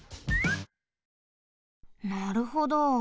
なるほど。